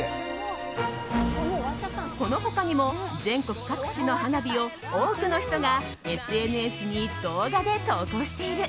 この他にも全国各地の花火を多くの人がＳＮＳに動画で投稿している。